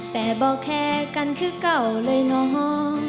แต่บอกแค่กันคือเก่าเลยน้อง